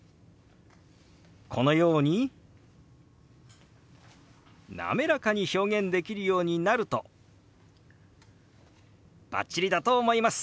このように滑らかに表現できるようになるとバッチリだと思います。